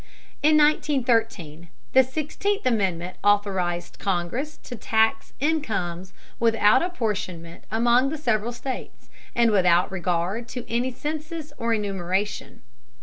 In 1913 the Sixteenth Amendment authorized Congress to tax incomes without apportionment among the several states, and without regard to any census or enumeration.